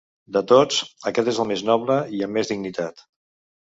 De tots, aquest és el més noble i amb més dignitat.